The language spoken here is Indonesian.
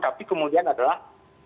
tapi kemudian adalah